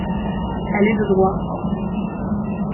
Elle est de droit.